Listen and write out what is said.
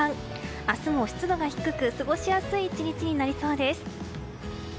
明日も湿度が低く過ごしやすい１日になりそうです。